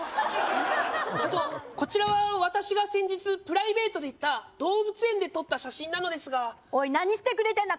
えっとこちらは私が先日プライベートで行った動物園で撮った写真なのですがおい何してくれてんだ？